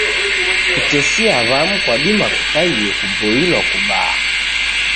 Kutesia w'amu kwadima kukaie kuboilwa kubaa.